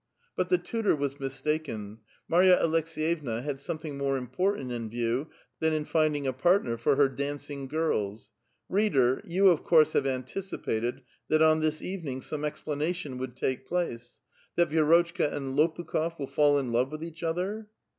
But the tutor was mistaken ; Mary Aleks^yevna had some thing more important in view than in finding a partner for her dancing girls. Reader, you of course have anticipated that on this even ing some explanation would take place ; that Vi^rotchka and Lopukh6f will fall in love with each other?